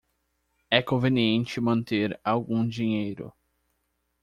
É conveniente manter algum dinheiro.